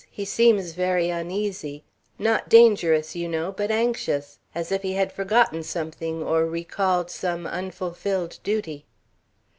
He seems very uneasy; not dangerous, you know, but anxious; as if he had forgotten something or recalled some unfulfilled duty."